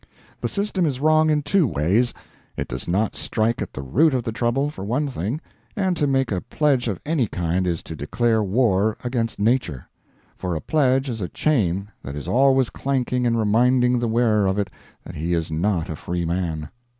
The system is wrong in two ways: it does not strike at the root of the trouble, for one thing, and to make a pledge of any kind is to declare war against nature; for a pledge is a chain that is always clanking and reminding the wearer of it that he is not a free man.